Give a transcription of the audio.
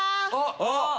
あっ！